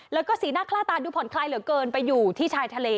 แล้วก็สีหน้าค่าตาดูผ่อนคลายเหลือเกินไปอยู่ที่ชายทะเล